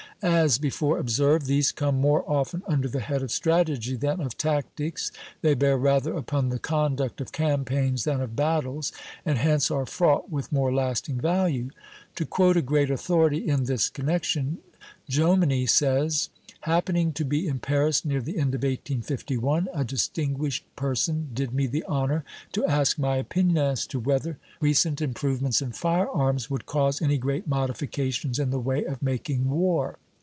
As before observed, these come more often under the head of strategy than of tactics; they bear rather upon the conduct of campaigns than of battles, and hence are fraught with more lasting value. To quote a great authority in this connection, Jomini says: "Happening to be in Paris near the end of 1851, a distinguished person did me the honor to ask my opinion as to whether recent improvements in firearms would cause any great modifications in the way of making war.